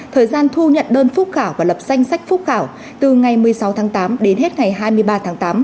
thời gian thu nhận đơn phúc khảo và lập danh sách phúc khảo từ ngày một mươi sáu tháng tám đến hết ngày hai mươi ba tháng tám